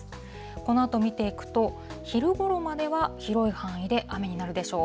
このあと見ていくと、昼ごろまでは広い範囲で雨になるでしょう。